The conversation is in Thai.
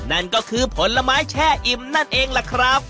นั่นก็คือผลไม้แช่อิ่มนั่นเองล่ะครับ